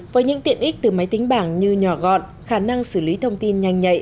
với những tiện ích từ máy tính bảng như nhỏ gọn khả năng xử lý thông tin